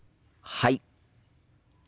はい。